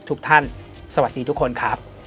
ทุกท่านสวัสดีทุกคนครับ